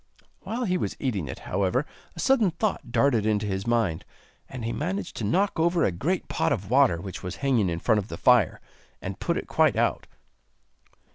While he was eating it, however a sudden thought darted into his mind, and he managed to knock over a great pot of water which was hanging in front of the fire, and put it quite out.